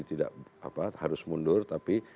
tidak harus mundur tapi